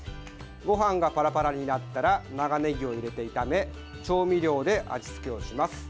ご飯がパラパラになったら長ねぎを入れて炒め調味料で味付けをします。